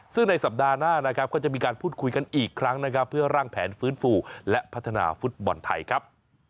ซึ่งในสัปดาห์หน้านะครับก็จะมีการพูดคุยกันอีกครั้งนะครับเพื่อร่างแผนฟื้นฟูและพัฒนาฟุตบอลไทยครับ